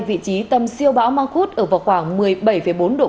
vị trí tầm siêu bão mang khuất ở vào khoảng một mươi bảy bốn độ